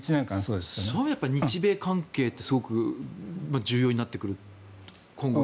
日米関係ってすごく重要になってくる？